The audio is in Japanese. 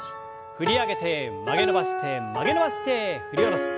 振り上げて曲げ伸ばして曲げ伸ばして振り下ろす。